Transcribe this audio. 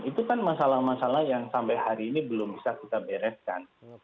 itu kan masalah masalah yang sampai hari ini belum bisa kita bereskan